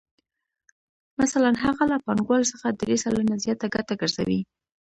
مثلاً هغه له پانګوال څخه درې سلنه زیاته ګټه ګرځوي